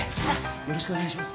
よろしくお願いします。